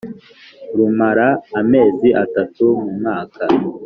rumara amezi atatu mu mwaka